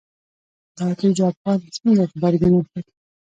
دا چې جاپان څنګه غبرګون وښود.